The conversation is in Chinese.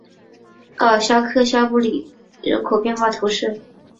阿尔夏克下布里人口变化图示